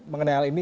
mengenai hal ini